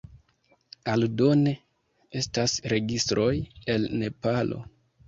Aldone, estas registroj el Nepalo.